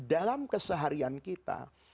dalam keseharian kita